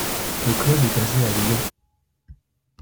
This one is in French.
Le club est basé à Lyon.